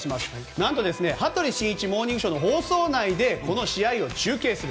何と「羽鳥慎一モーニングショー」の放送内でこの試合を中継する。